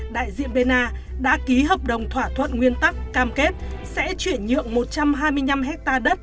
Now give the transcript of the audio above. đại diện bena đã ký hợp đồng thỏa thuận nguyên tắc cam kết sẽ chuyển nhượng một trăm hai mươi năm ha đất